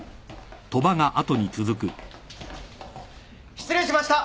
失礼しました。